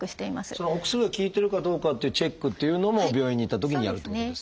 そのお薬が効いてるかどうかっていうチェックっていうのも病院に行ったときにやるってことですか？